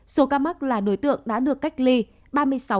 số ca mắc là đối tượng đã được cách ly ba mươi sáu tám trăm tám mươi bảy ca